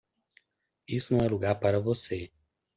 Isto não é lugar para você.